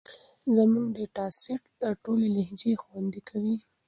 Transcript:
زموږ ډیټا سیټ دا ټولې لهجې خوندي کوي.